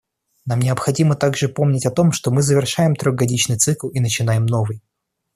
Нам необходимо также помнить о том, что мы завершаем трехгодичный цикл и начинаем новый.